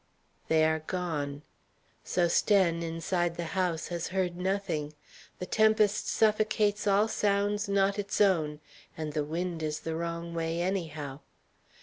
They are gone. Sosthène, inside the house, has heard nothing. The tempest suffocates all sounds not its own, and the wind is the wrong way anyhow.